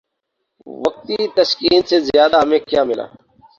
وقتی تسکین سے زیادہ ہمیں کیا ملا؟